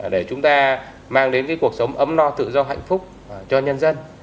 để chúng ta mang đến cuộc sống ấm no tự do hạnh phúc cho nhân dân